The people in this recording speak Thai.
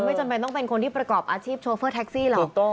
จำเป็นต้องเป็นคนที่ประกอบอาชีพโชเฟอร์แท็กซี่หรอก